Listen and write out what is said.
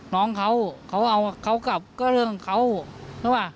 ตอนเขาโทรมาเขาบอกว่ายังไง